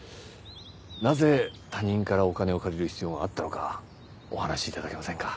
なぜ他人からお金を借りる必要があったのかお話し頂けませんか？